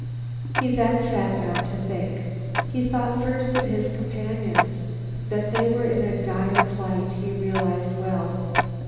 He then sat down to think. He thought first of his companions. That they were in a dire plight, he realized well.